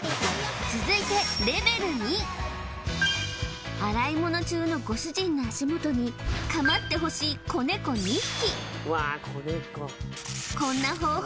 続いてレベル２洗い物中のご主人の足元にかまってほしい子ネコ２匹